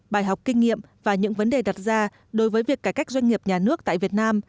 bài học kinh nghiệm và những vấn đề đặt ra đối với việc cải cách doanh nghiệp nhà nước tại việt nam